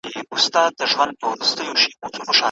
که پیلوټ ماهر وي نو الوتکه نه لویږي.